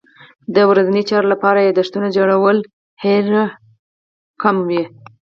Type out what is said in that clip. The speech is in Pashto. د ورځني چارو لپاره یادښتونه جوړول هېره کمه وي.